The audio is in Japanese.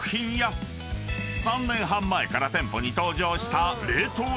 ［３年半前から店舗に登場した］